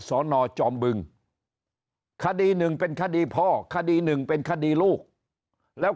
สอนอจอมบึงคดีหนึ่งเป็นคดีพ่อคดีหนึ่งเป็นคดีลูกแล้ว